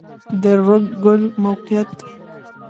د رګ کلی موقعیت